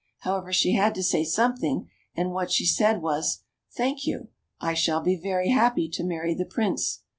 However, she had to say something, and what she said was :" Thank you ; I shall be very happy to marry the Prince."